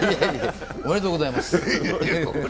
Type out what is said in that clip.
おめでとうございます。